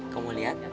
kamu mau lihat